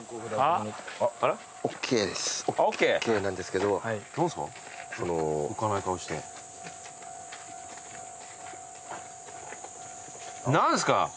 何ですか？